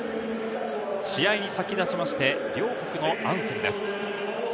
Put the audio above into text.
試合に先立ちまして、両国のアンセムです。